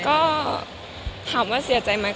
ก็ถามว่าเสียใจไหม